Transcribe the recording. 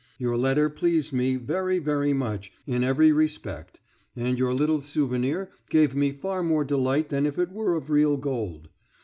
Your letter pleased me very, very much in every respect, and your little souvenir gave me far more delight than if it were of real gold.